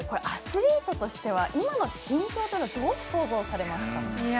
アスリートとしては今の心境というのはどう想像されますか。